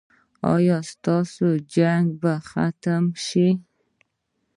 ایا ستاسو جنګ به ختم شي؟